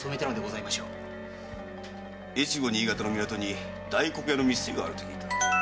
越後新潟の港に大黒屋の店があると聞いた。